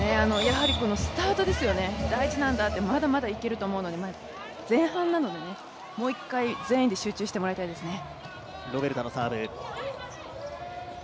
スタートですよね、大事なんだと、まだまだいけると思うので前半なのでもう一回、全員で集中してもらいたいですね。